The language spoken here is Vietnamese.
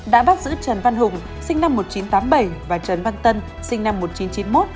đã bắt giữ trần văn hùng sinh năm một nghìn chín trăm tám mươi bảy và trần văn tân sinh năm một nghìn chín trăm chín mươi một